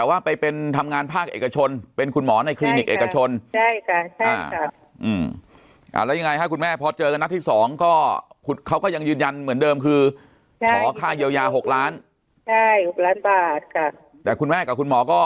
ความที่ว่าคือคนเป็นหมอที่ไม่ใส่แว่นแล้วก็ไม่ได้เสื่อมแว่น